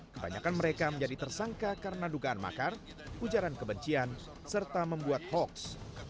kebanyakan mereka menjadi tersangka karena dugaan makar ujaran kebencian serta membuat hoaks